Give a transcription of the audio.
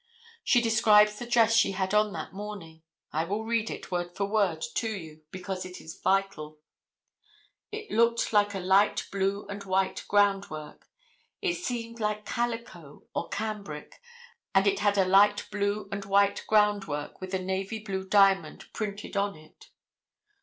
She describes the dress she had on that morning. I will read it, word for word, to you, because it is vital: "It looked like a light blue and white ground work; it seemed like calico or cambric, and it had a light blue and white ground work with a navy blue diamond printed on it."